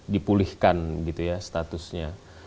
dipulihkan gitu ya statusnya